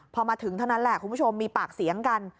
พอมาถึงเท่านั้นแหละคุณผู้ชมมีปากเสียงกัน